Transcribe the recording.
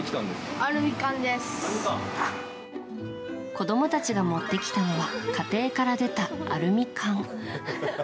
子供たちが持ってきたのは家庭から出たアルミ缶。